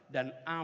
dan amat ramah